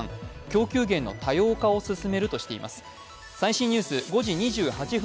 供給源の多様化を進めるとしています。